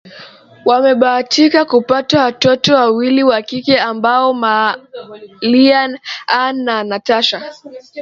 Wamebahatika kupata watoto wawili wa kike ambao Malia Ann na Natasha